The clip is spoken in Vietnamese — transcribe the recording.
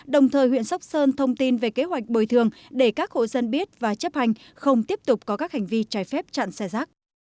đồng thời huyện sóc sơn thông tin về kế hoạch bồi thường để các hộ dân biết và chấp hành không tiếp tục có các hành vi trái phép chặn xe rác